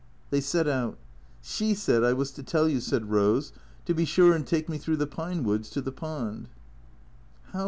They set out. '' She said I was to tell you," said Rose, " to be sure and take me through the pine woods to the pond."